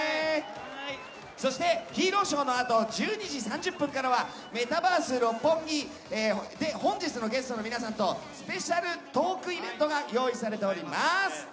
そして、ヒーローショーのあと１２時３０分からはメタバース六本木で本日のゲストの皆さんとスペシャルトークイベントが用意されております。